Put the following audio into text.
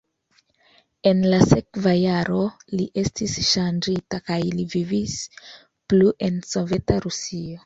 En la sekva jaro li estis ŝanĝita kaj li vivis plu en Soveta Rusio.